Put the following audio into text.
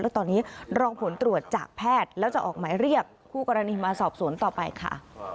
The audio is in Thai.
แล้วตอนนี้รอผลตรวจจากแพทย์แล้วจะออกหมายเรียกคู่กรณีมาสอบสวนต่อไปค่ะ